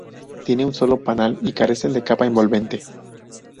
Tienen un solo panal y carecen de capa envolvente.